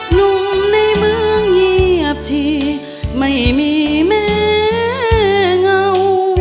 หนุ่มในเมืองเงียบทีไม่มีแม่เงา